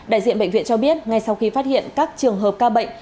đại diện bệnh viện cho biết ngay sau khi phát hiện các trường hợp ca bệnh